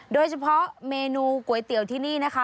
โดยเฉพาะเมนูก๋วยเตี๋ยวที่นี่นะคะ